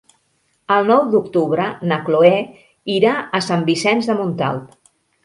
El nou d'octubre na Cloè irà a Sant Vicenç de Montalt.